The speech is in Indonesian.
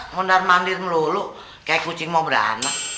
mondar mandir melulu kayak kucing mau beranak